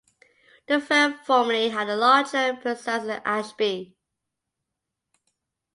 The firm formerly had a larger presence in Ashby.